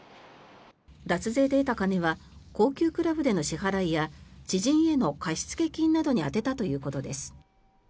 脱税で得た金は高級クラブでの支払いや知人への貸付金などに充てたということです。